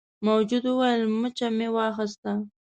موجود وویل مچه مې واخیسته.